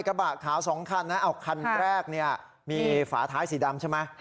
กระบาดขาวสองคันคันแรกมีหน้าเสียหลักสีดำใช่มั้ย